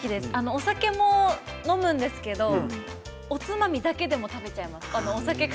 お酒も大好きなんですけどおつまみだけでも食べます。